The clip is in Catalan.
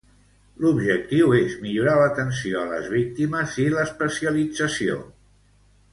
L'objectiu és millorar l'atenció a les víctimes i l'especialització.